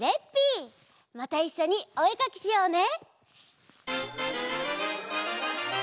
またいっしょにおえかきしようね！